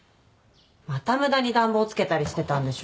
また無駄に暖房つけたりしてたんでしょ？